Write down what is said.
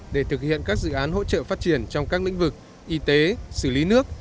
để thực hiện các dự án hỗ trợ phát triển trong các lĩnh vực y tế xử lý nước